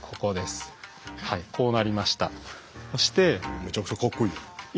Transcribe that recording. めちゃくちゃかっこいい。